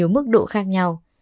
mức độ khác nhau